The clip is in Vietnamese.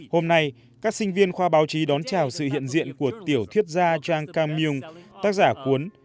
hôm nay các sinh viên khoa báo chí đón chào sự hiện diện của tiểu thuyết gia jang kang myung tác giả cuốn